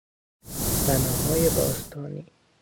بناهای باستانی